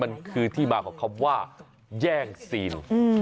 มันคือที่มาของคำว่าแย่งซีน